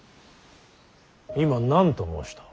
今何と申した。